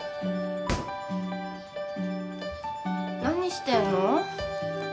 何してんの？